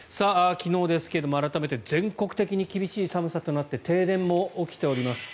昨日ですが改めて全国的に厳しい寒さとなって停電も起きております。